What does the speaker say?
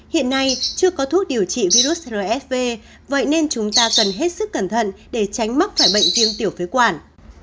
hiện nay chưa có thuốc điều trị virus rsv vậy nên chúng ta cần hết sức cẩn thận để tránh mắc phải bệnh viêm tiểu phế quản